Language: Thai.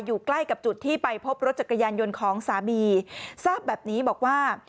อยู่ใกล้กับจุดที่ไปพบรถจักรยานยนต์ของสามีทราบแบบนี้บอกว่า